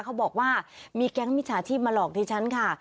เขาบอกว่ามีแก๊งมิจฉาชีพมาหลอกดิฉันค่ะ